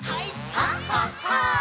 「あっはっは」